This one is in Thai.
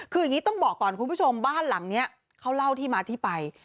คืออย่างนี้ต้องบอกก่อนคุณผู้ชมบ้านหลังนี้เขาเล่าที่มาที่ไป